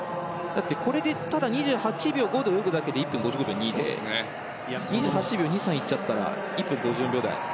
だって、２８秒５で泳ぐだけで１分５５秒いって２８秒２いっちゃったら１分５４秒台。